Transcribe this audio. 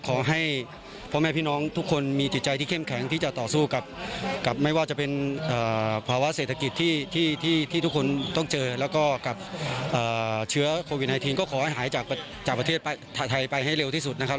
ขอให้พ่อแม่พี่น้องทุกคนมีจิตใจที่เข้มแข็งที่จะต่อสู้กับไม่ว่าจะเป็นภาวะเศรษฐกิจที่ทุกคนต้องเจอแล้วก็กับเชื้อโควิด๑๙ก็ขอให้หายจากประเทศไทยไปให้เร็วที่สุดนะครับ